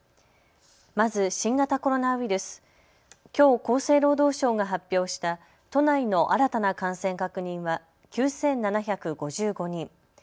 まず新型コロナウイルス、きょう厚生労働省が発表した都内の新たな感染確認は９７５５人。